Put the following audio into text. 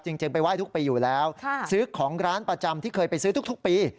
จริงไปไห้ทุกปีอยู่แล้วซื้อของร้านประจำที่เคยไปซื้อทุกปี